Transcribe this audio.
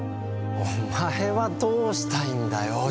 お前はどうしたいんだよ